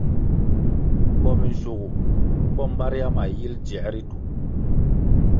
Bo minshugu bo mbaria ma yil dziē ritu.